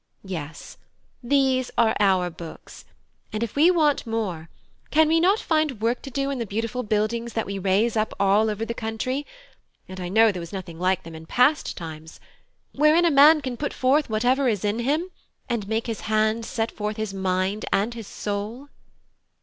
Yes, these are our books; and if we want more, can we not find work to do in the beautiful buildings that we raise up all over the country (and I know there was nothing like them in past times), wherein a man can put forth whatever is in him, and make his hands set forth his mind and his soul."